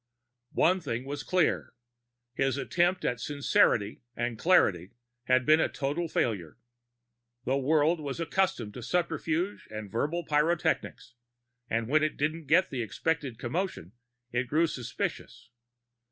One thing was clear: his attempt at sincerity and clarity had been a total failure. The world was accustomed to subterfuge and verbal pyrotechnics, and when it didn't get the expected commodity, it grew suspicious.